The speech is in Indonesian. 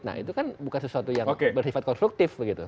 nah itu kan bukan sesuatu yang bersifat konstruktif begitu